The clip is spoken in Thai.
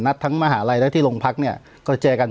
นัดทั้งมหลัยและที่หลวงพักเนี้ยก็เจยกัน